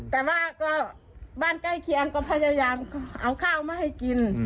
แต่ว่าก็บ้านใกล้เคียงก็พยายามเอาข้าวมาให้กิน